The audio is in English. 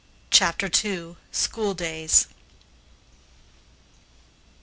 CHAPTER II. SCHOOL DAYS.